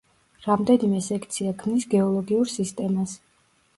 რამდენიმე სექცია ქმნის გეოლოგიურ სისტემას.